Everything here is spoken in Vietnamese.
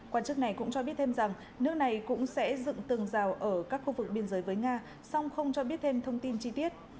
quan chức này cũng cho biết thêm rằng nước này cũng sẽ dựng tường rào ở các khu vực biên giới với nga song không cho biết thêm thông tin chi tiết